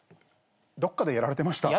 どっかでやられてました？